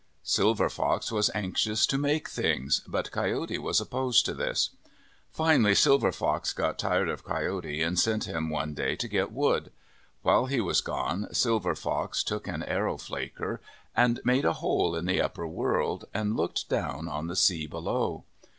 Silver Fox was anxious to make things, but Coyote was opposed to this. Finally Silver Fox got tired of Coyote and sent him one day to get wood. While he was gone, Silver Fox took an arrow flaker and made a hole in the upper world, and looked down on the sea below.